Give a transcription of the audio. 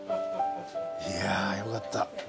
いやよかった。